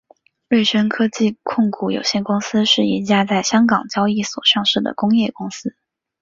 瑞声科技控股有限公司是一家在香港交易所上市的工业公司。